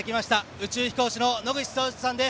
宇宙飛行士の野口聡一さんです。